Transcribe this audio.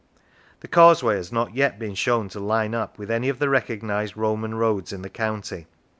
The causeway has not yet been shown to line up with any of the recognised Roman roads in the county.